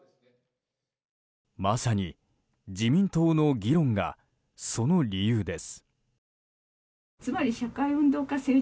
まさに自民党の議論がその理由です。